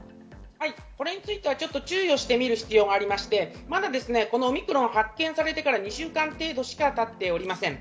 これについては注意をしてみる必要がありまして、まだオミクロンは発見されてから２週間程度しか経っておりません。